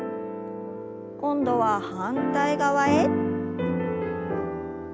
今度は反対側へ。